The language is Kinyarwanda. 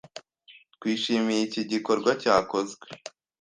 Twishimiye iki gikorwa cyakozwe